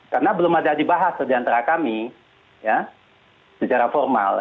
karena belum ada dibahas antara kami secara formal